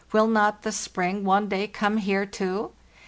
Will not the spring one day come here too?